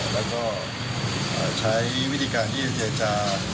แล้วก็ใช้วิธีการที่จะ